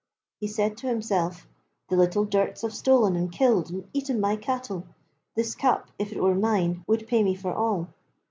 He said to himself: 'The little durts have stolen and killed and eaten my cattle this cup, if it were mine, would pay me for all.'